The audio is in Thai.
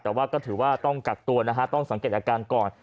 แต่ว่าก็ถือว่าต้องกักตัวนะฮะต้องสังเกตอาการก่อน